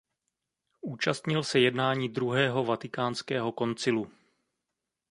Účastnil se jednání Druhého vatikánského koncilu.